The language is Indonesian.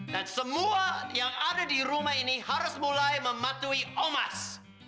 dan semua yang ada di rumah ini harus mulai mematuhi omas